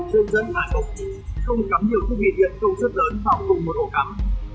dân dân hài mộng không cắm nhiều thiết bị điện công suất lớn vào cùng một ổ cắm